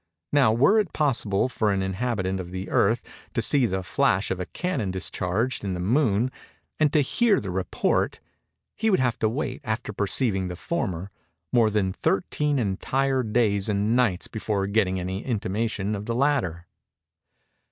Now were it possible for an inhabitant of the Earth to see the flash of a cannon discharged in the Moon, and to hear the report, he would have to wait, after perceiving the former, more than 13 entire days and nights before getting any intimation of the latter.